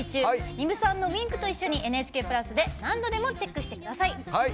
丹生さんのウインクと一緒に「ＮＨＫプラス」で何度でもチェックしてください。